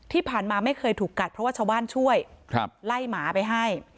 ไม่เคยถูกกัดเพราะว่าชาวบ้านช่วยไล่หมาไปให้